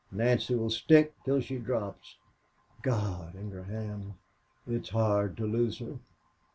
Nancy will stick till she drops. God, Ingraham, it's hard to lose her.